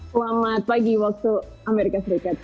selamat pagi waktu amerika serikat